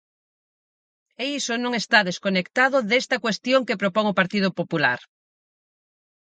E iso non está desconectado desta cuestión que propón o Partido Popular.